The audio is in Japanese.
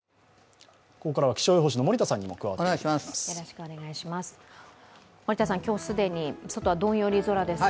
ここからは気象予報士の森田さんにも加わっていただきます。